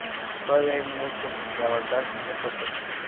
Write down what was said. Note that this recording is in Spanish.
Todavía hay mucho que avanzar en este aspecto.